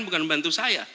bukan membantu saya